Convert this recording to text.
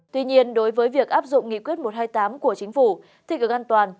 tuy nhiên đối với việc áp dụng nghị quyết một trăm hai mươi tám của chính phủ thì được an toàn